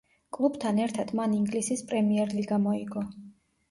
კლუბთან ერთად მან ინგლისის პრემიერ ლიგა მოიგო.